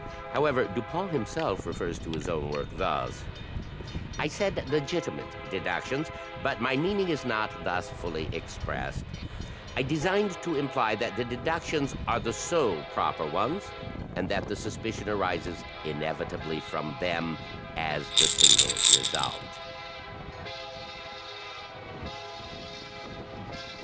However, Dupin himself refers to his own work thus: " I said 'legitimate deductions;' but my meaning is not thus fully expressed. I designed to imply that the deductions are the sole proper ones, and that the suspicion arises inevitably from them as the single result."